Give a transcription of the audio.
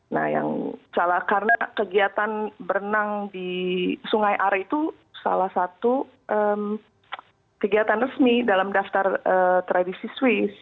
nah yang salah karena kegiatan berenang di sungai are itu salah satu kegiatan resmi dalam daftar tradisi swiss